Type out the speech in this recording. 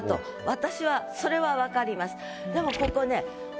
私はそれは分かります。